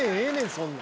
そんな。